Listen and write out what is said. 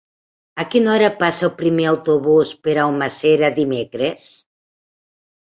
A quina hora passa el primer autobús per Almàssera dimecres?